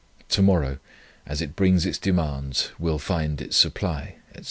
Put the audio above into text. To morrow, as it brings its demands, will find its supply, etc."